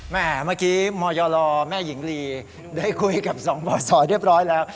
แม่เมื่อเมื่อกี้มอยรอแม่หญิงลีได้คุยกับสองบอสสอเรียบร้อยแล้ว